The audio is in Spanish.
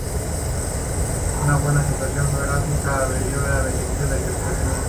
La buena situación geográfica de Aveiro ha beneficiado su crecimiento.